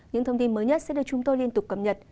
những thông tin mới nhất sẽ được chúng tôi liên tục cập nhật